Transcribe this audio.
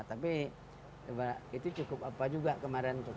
tapi itu cukup apa juga kemarin